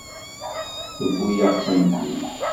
Tewwi-yaɣ-tent-id.